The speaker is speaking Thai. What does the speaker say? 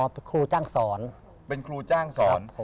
เป็นครูจ้างสอนเป็นครูจ้างสอน